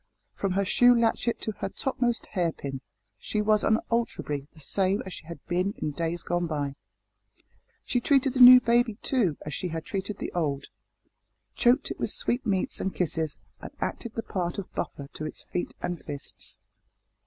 From her shoe latchet to her topmost hair pin she was unalterably the same as she had been in days gone by. She treated the new baby, too, as she had treated the old choked it with sweetmeats and kisses, and acted the part of buffer to its feet and fists.